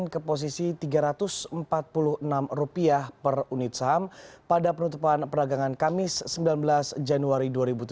ke posisi rp tiga ratus empat puluh enam per unit saham pada penutupan peragangan kamis sembilan belas januari dua ribu tujuh belas